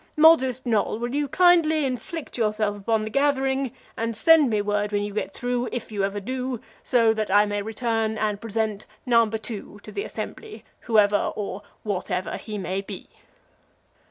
Modest Noll, will you kindly inflict yourself upon the gathering, and send me word when you get through, if you ever do, so that I may return and present number two to the assembly, whoever or whatever he may be?"